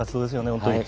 本当に。